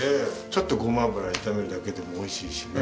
ちょっとごま油で炒めるだけでも美味しいしね。